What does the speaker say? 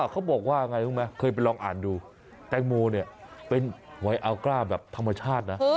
เขาบอกว่าเคยไปลองอ่านดูแตงโมบายต้องเอากระแห่งแบบธรรมชาตินะ